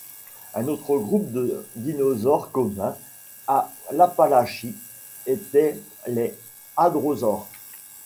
Un autre groupe de dinosaures commun à l'Appalachie était les hadrosaures.